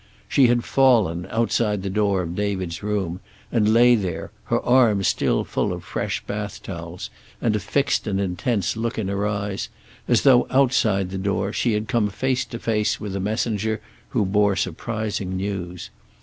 She had fallen outside the door of David's room, and lay there, her arms still full of fresh bath towels, and a fixed and intense look in her eyes, as though, outside the door, she had come face to face with a messenger who bore surprising news.